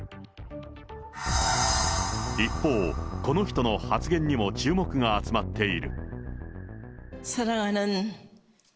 一方、この人の発言にも注目が集まっている。